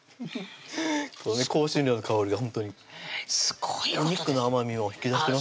香辛料の香りがほんとにすごいお肉の甘みを引き出しますよね